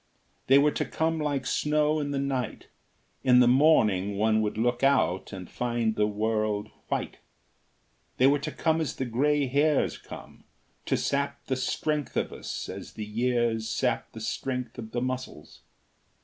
They were to come like snow in the night: in the morning one would look out and find the world white; they were to come as the gray hairs come, to sap the strength of us as the years sap the strength of the muscles.